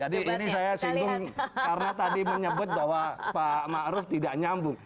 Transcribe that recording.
jadi ini saya singgung karena tadi menyebut bahwa pak ma'ruf tidak nyambung